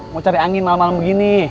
mau cari angin malam malam begini